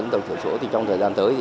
trong thời gian tới